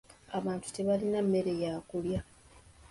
Abantu tebalina mmere ya kulya.